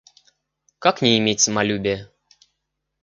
Как не иметь самолюбия?